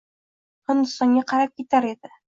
Hindistonga qarab ketar edi.